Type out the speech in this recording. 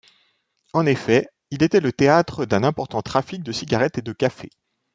En effet, il était le théâtre d'un important trafic de cigarettes et de café.